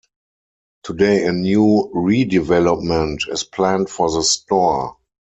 Today a new redevelopment is planned for the store.